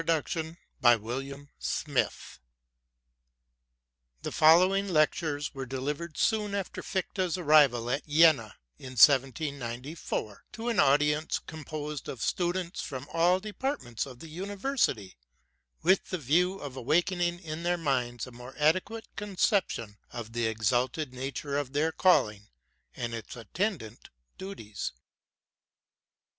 M.DCCC.XLV1I. ibrarv of Congress 2009 455456 The following Lectures were delivered soon after Fichte's arrival at Jena in 1794 to an audience composed of students from all departments of the Univer sity; with the view of awakening in their minds a more adequate conception of the exalted nature of their calling and its attendant duties.